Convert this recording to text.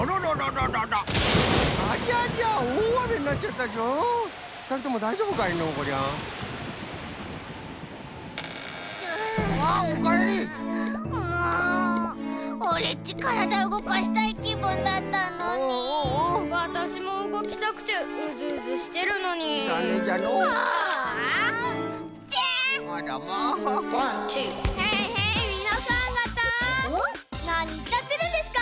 なにいっちゃってるんですか。